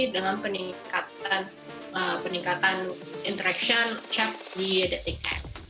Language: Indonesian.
dengan peningkatan peningkatan interaction chat di dating